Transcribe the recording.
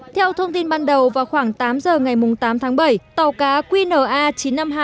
theo thông tin ban đầu vào khoảng tám giờ ngày tám tháng bảy tàu cá qna chín mươi năm nghìn hai trăm ba mươi tám ts do ông trần công thu